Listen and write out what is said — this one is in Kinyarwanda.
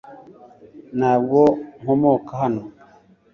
Ntabwo nkomoka hano .